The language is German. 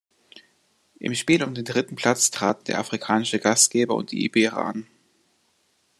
Im Spiel um den dritten Platz traten der afrikanische Gastgeber und die Iberer an.